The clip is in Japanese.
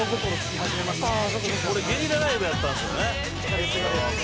「これゲリラライブやったんですよね」